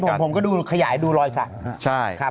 ถ้าเป็นผมผมก็ดูขยายดูรอยสักใช่ครับ